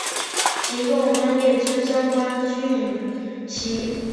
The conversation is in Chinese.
提供专业之相关讯息